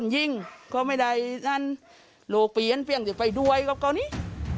ยิ่งก็ไม่ได้นั่นโลกเปลี่ยนเฟี่ยงจะไปด้วยกับเกาหลี